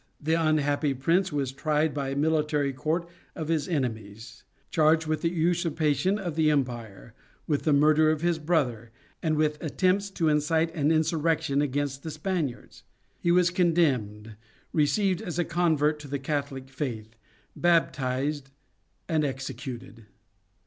The unhappy prince was tried by a military court of his enemies, charged with the usurpation of the empire, with the murder of his brother, and with attempts to incite an insurrection against the Spaniards. He was condemned, received as a convert to the Catholic faith, baptized, and executed.